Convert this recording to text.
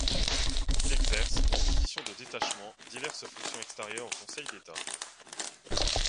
Il exerce, en position de détachement, diverses fonctions extérieures au conseil d’État.